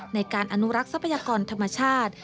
ในการอนุรักษ์ทรัพยากรธรรมชาติ